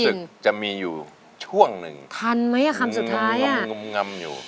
รู้สึกจะมีอยู่ช่วงนึงทันมั้ยอ่ะคำสุดท้าย